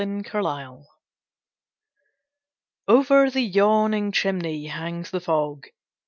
In a Castle I Over the yawning chimney hangs the fog.